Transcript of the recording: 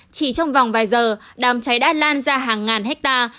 chỉ trong vòng vài giờ đám cháy đã lan ra hàng ngàn hectare